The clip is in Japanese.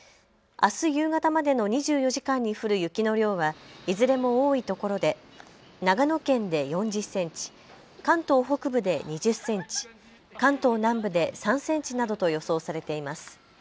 あす夕方までの２４時間に降る雪の量はいずれも多いところで長野県で４０センチ、関東北部で２０センチ、関東南部で３センチなどと予想されています。